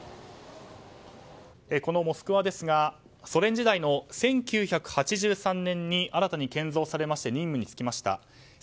この「モスクワ」ですがソ連時代の１９８３年に新たに建造されまして任務に就きました。